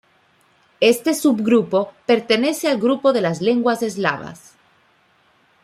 Este subgrupo pertenece al grupo de las Lenguas eslavas.